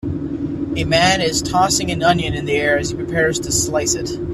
A man is tossing an onion in the air as he prepares to slice it.